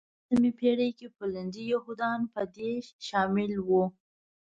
اتلمسې پېړۍ کې پولنډي یهودان په دې شامل وو.